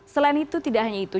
selain itu tidak hanya itu